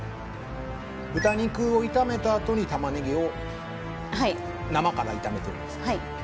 豚肉を炒めたあとに玉ねぎを生から炒めてるんですか？